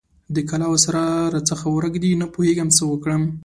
د کلاوې سر راڅخه ورک دی؛ نه پوهېږم چې څه وکړم؟!